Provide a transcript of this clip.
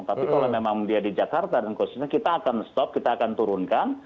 tapi kalau memang dia di jakarta dan khususnya kita akan stop kita akan turunkan